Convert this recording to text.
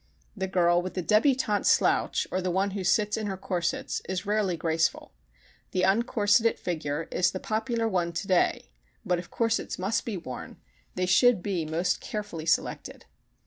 The girl with the débutante slouch or the one who "sits in her corsets" is rarely graceful. The uncorseted figure is the popular one today but if corsets must be worn they should be most carefully selected.